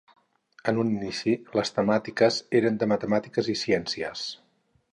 En un inici, les temàtiques eren de matemàtiques i ciències.